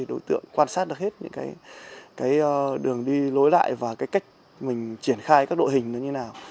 đối tượng quan sát được hết những đường đi lối lại và cách mình triển khai các độ hình như thế nào